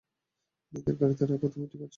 মেয়েদের গাড়িতে রাখো - তুমি ঠিক আছ?